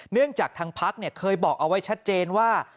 เนื่องจากทางพักเคยบอกเอาไว้ชัดเจนว่า